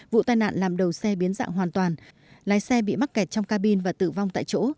vụ tai nạn làm đầu xe biến dạng hoàn toàn lái xe bị mắc kẹt trong cabin và tử vong tại chỗ